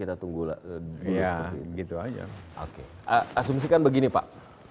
asumsikan begini pak